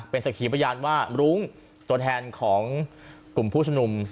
เป็นสักขีพยานว่ารุ้งตัวแทนของกลุ่มผู้ชมนุม